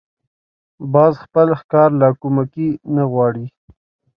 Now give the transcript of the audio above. باز خپل ښکار له کومکي نه غواړي